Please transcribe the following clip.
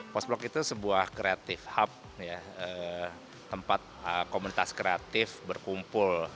post blok itu sebuah kreatif hub tempat komunitas kreatif berkumpul